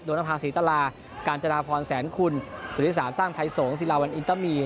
โดนภาษีตลาการจนาพรแสนคุณสุฤษศาสตร์สร้างไทยสงฆ์สิลาวันอินเตอร์มี